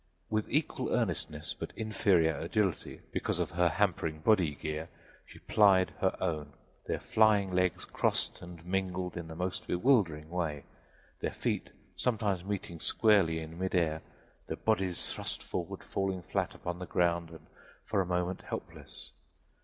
With equal earnestness but inferior agility, because of her hampering body gear, she plied her own. Their flying legs crossed and mingled in the most bewildering way; their feet sometimes meeting squarely in midair, their bodies thrust forward, falling flat upon the ground and for a moment helpless.